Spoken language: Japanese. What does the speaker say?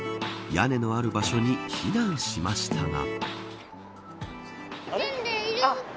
屋根のある場所に避難しましたが。